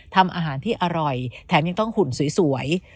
ทำอาหารที่อร่อยแถมยังต้องหุ่นสวย